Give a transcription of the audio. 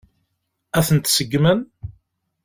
Ad tent-seggmen?